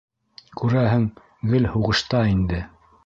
Күрәһең, гел һуғышта инде.